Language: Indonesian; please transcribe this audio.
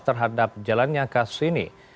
terhadap jalannya kasus ini